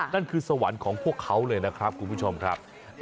นั่นคือสวรรค์ของพวกเขาเลยนะครับคุณผู้ชมครับ